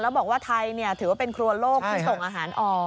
แล้วบอกว่าไทยถือว่าเป็นครัวโลกที่ส่งอาหารออก